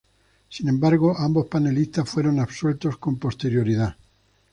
Sin embargo, ambos panelistas fueron absueltos con posterioridad.